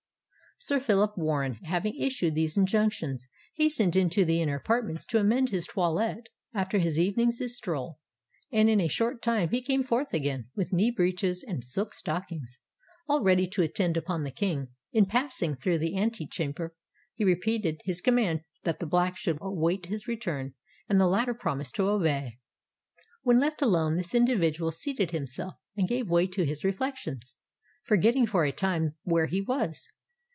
Sir Phillip Warren, having issued these injunctions, hastened into the inner apartments to amend his toilette after his evening's stroll; and in a short time he came forth again, with knee breeches and silk stockings, all ready to attend upon the king. In passing through the ante chamber he repeated his command that the Black should await his return; and the latter promised to obey. When left alone, this individual seated himself, and gave way to his reflections, forgetting for a time where he was.